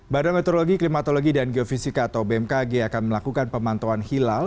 badan meteorologi klimatologi dan geofisika atau bmkg akan melakukan pemantauan hilal